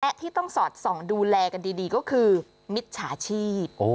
และที่ต้องสอดส่องดูแลกันดีก็คือมิจฉาชีพ